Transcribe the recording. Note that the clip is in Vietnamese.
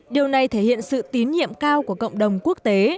điều này thể hiện sự tín nhiệm cao của cộng đồng quốc tế